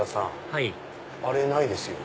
はいあれないですよ。